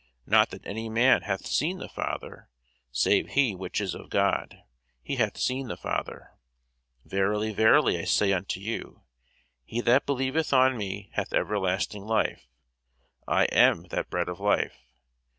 Not that any man hath seen the Father, save he which is of God, he hath seen the Father. Verily, verily, I say unto you, He that believeth on me hath everlasting life. I am that bread of life.